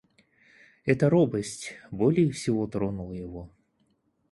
Эта робость более всего тронула его.